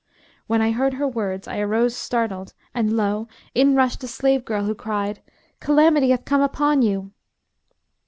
When I heard her words, I arose startled and lo! in rushed a slave girl who cried, 'Calamity hath come upon you.'